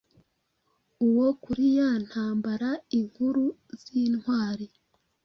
Uwo kuri yantambara inkuru zintwari